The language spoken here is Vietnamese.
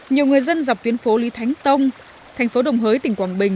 nhiều người dân dọc tuyến phố lý thánh tông thành phố đồng hới tỉnh quảng bình